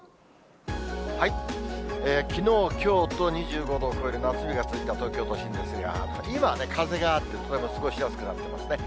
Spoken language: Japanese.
きのう、きょうと、２５度を超える夏日が続いた東京都心ですが、今はね、風があって過ごしやすくなってますね。